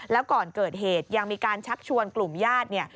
แล้วก่อนเกิดเหตุยังมีการชักชวนกลุ่มญาติเนี่ย